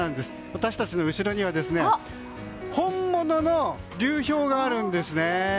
私たちの後ろには本物の流氷があるんです。